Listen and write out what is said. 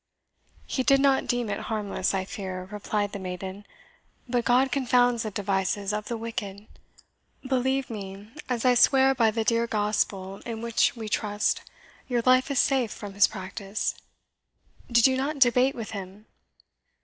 "He did not deem it harmless, I fear," replied the maiden; "but God confounds the devices of the wicked. Believe me, as I swear by the dear Gospel in which we trust, your life is safe from his practice. Did you not debate with him?"